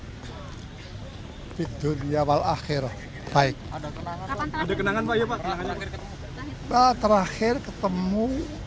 hai di dunia wal akhir baik ada kenangan kenangan pak terakhir ketemu